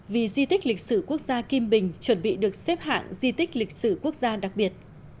vì di tích lịch sử quốc gia kim bình chuẩn bị được xếp hạng di tích lịch sử quốc gia đặc biệt